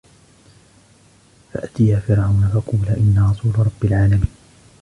فَأْتِيَا فِرْعَوْنَ فَقُولَا إِنَّا رَسُولُ رَبِّ الْعَالَمِينَ